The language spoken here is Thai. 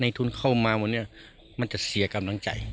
ในทุนเข้ามามันจะเสียกำลังใจ